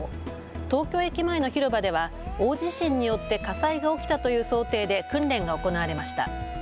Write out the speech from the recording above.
東京駅前の広場では大地震によって火災が起きたという想定で訓練が行われました。